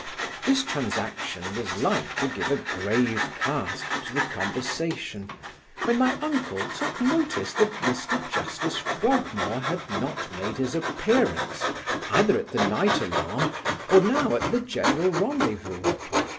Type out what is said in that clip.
This transaction was like to give a grave cast to the conversation, when my uncle took notice that Mr Justice Frogmore had not made his appearance either at the night alarm, or now at the general rendezvous.